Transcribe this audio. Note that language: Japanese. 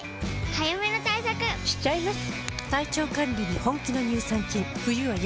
早めの対策しちゃいます。